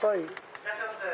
いらっしゃいませ。